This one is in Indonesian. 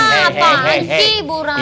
apaan sih ibu ranti